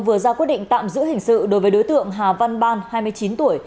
vừa ra quyết định tạm giữ hình sự đối với đối tượng hà văn ban hai mươi chín tuổi